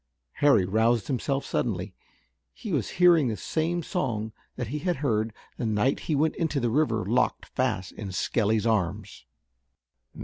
Harry roused himself suddenly. He was hearing the same song that he had heard the night he went into the river locked fast in Skelly's arms.